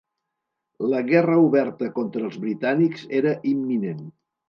La guerra oberta contra els britànics era imminent.